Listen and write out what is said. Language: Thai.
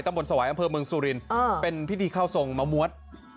ตำบดสวายอัมเภอเมืองสุรินเออเป็นพิธีเข้าทรงมาหมวดอ๋อ